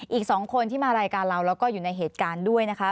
อีก๒คนที่มารายการเราแล้วก็อยู่ในเหตุการณ์ด้วยนะคะ